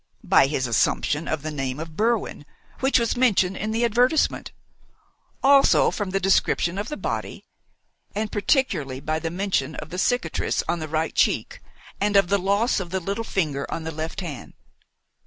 "By his assumption of the name of Berwin, which was mentioned in the advertisement; also from the description of the body, and particularly by the mention of the cicatrice on the right cheek, and of the loss of the little finger of the left hand."